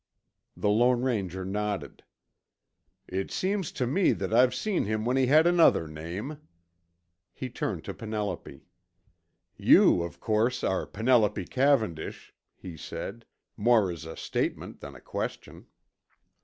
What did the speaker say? The Lone Ranger nodded. "It seems to me that I've seen him when he had another name." He turned to Penelope. "You, of course, are Penelope Cavendish," he said, more as a statement than a question.